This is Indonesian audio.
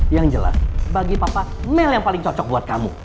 yang jelas bagi papa mel yang paling cocok buat kamu